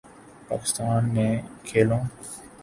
پاکستان نے کھیلو